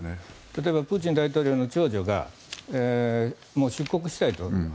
例えばプーチン大統領の長女が出国したいと。